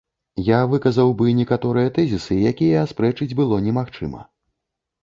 Я выказаў бы некаторыя тэзісы, якія аспрэчыць было немагчыма.